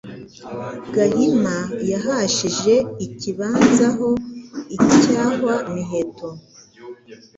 Gahima yahashije ikibanza Aho i Cyahwa-miheto,